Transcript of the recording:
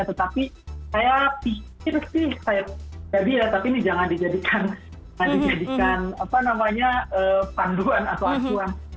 tetapi saya pikir sih tapi ini jangan dijadikan panduan atau acuan